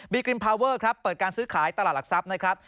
กริมพาเวอร์ครับเปิดการซื้อขายตลาดหลักทรัพย์นะครับ